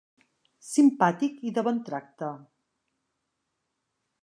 Simpàtic i de bon tracte.